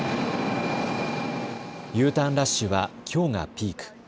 Ｕターンラッシュはきょうがピーク。